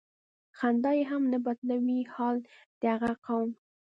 "خدای هم نه بدلوي حال د هغه قوم".